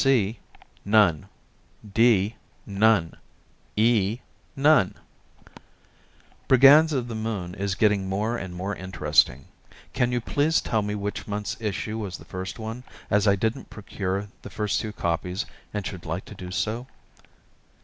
C None. D None. E None. "Brigands of the Moon" is getting more and more interesting. Can you please tell me which month's issue was the first one, as I didn't procure the first two copies and should like to do so?